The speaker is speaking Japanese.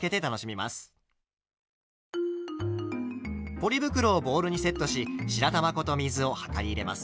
ポリ袋をボウルにセットし白玉粉と水を量り入れます。